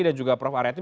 dan juga prof aryati